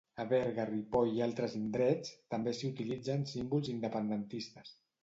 A Berga, Ripoll i altres indrets, també s'hi utilitzen símbols independentistes.